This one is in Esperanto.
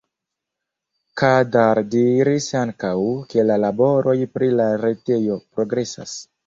Kadar diris ankaŭ, ke la laboroj pri la retejo progresas.